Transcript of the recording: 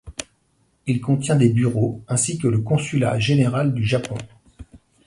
Il contient des bureaux ainsi que le consulat général du Japon.